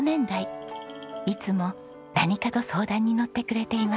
いつも何かと相談に乗ってくれています。